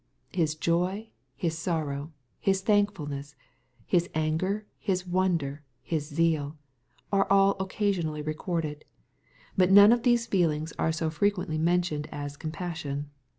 His joy. His sorrow. His thankfulness, His anger. His wonder, His seal, are all occasionally recorded. But none of these feelings are so frequently mentioned as " compassion."